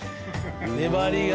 粘りが。